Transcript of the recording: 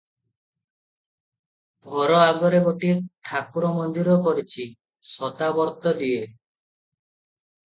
ଘର ଆଗରେ ଗୋଟିଏ ଠାକୁର ମନ୍ଦିର କରିଛି, ସଦାବର୍ତ୍ତ ଦିଏ ।